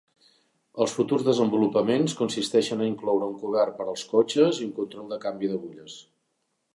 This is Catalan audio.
Els futurs desenvolupaments consisteixen a incloure un cobert per als cotxes i un control de canvi d'agulles.